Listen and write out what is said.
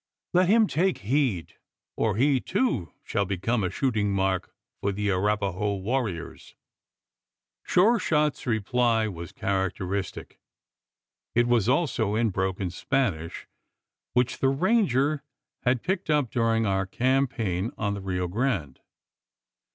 "Let him take heed, or he too shall become a shooting mark for the Arapaho warriors!" Sure shot's reply was characteristic. It was also in broken Spanish, which the ranger had picked up during our campaign, on the Rio Grande.